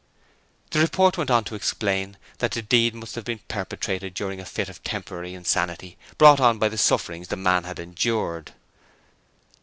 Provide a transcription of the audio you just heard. The report went on to explain that the deed must have been perpetrated during a fit of temporary insanity brought on by the sufferings the man had endured.